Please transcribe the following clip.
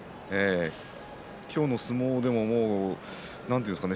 今日の相撲でもなんて言うんですかね